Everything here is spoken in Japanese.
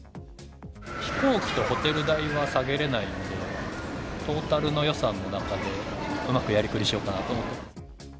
飛行機とホテル代は下げれないんで、トータルの予算の中で、うまくやりくりしようかなと思ってます。